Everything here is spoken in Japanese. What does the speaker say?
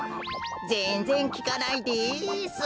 ぜんぜんきかないです。